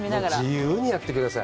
自由にやってください。